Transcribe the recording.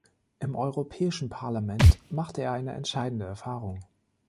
Im Europäischen Parlament machte er eine entscheidende Erfahrung.